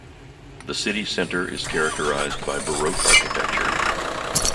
The city centre is characterised by Baroque architecture.